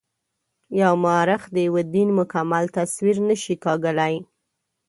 یو مورخ د یوه دین مکمل تصویر نه شي کاږلای.